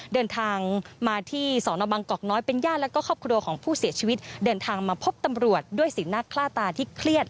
เดินทางมาที่สอนอบังกอกน้อยเป็นญาติแล้วก็ครอบครัวของผู้เสียชีวิตเดินทางมาพบตำรวจด้วยสีหน้าคล่าตาที่เครียด